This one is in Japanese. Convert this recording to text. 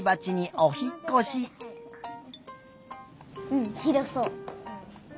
うんひろそう。